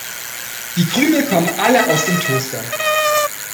Die Krümel kommen alle aus dem Toaster.